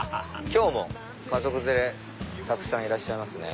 今日も家族連れたくさんいらっしゃいますね。